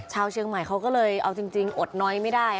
ชาวเชียงใหม่เขาก็เลยเอาจริงอดน้อยไม่ได้